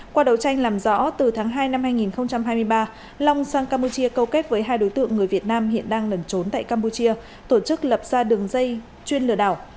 qua đấu tranh làm rõ từ tháng hai năm hai nghìn hai mươi ba long sang campuchia câu kết với hai đối tượng người việt nam hiện đang lẩn trốn tại campuchia tổ chức lập ra đường dây chuyên lừa đảo